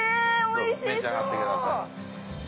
召し上がってください。